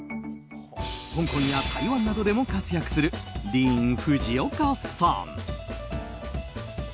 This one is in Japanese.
香港や台湾などでも活躍するディーン・フジオカさん。